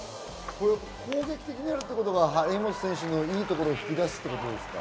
攻撃的になるということが張本選手のいいところを引き出すということですか？